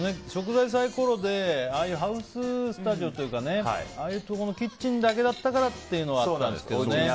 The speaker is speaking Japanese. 食材サイコロでああいうハウススタジオというかああいうところのキッチンだけだったからというのもあったんですけどね。